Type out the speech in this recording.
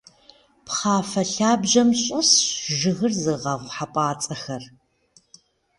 Пхъафэ лъабжьэм щӏэсщ жыгыр зыгъэгъу хьэпӏацӏэхэр.